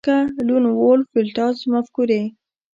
لکه لون وولف ولټاژ مفکورې